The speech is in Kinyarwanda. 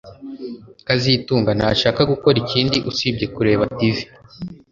kazitunga ntashaka gukora ikindi usibye kureba TV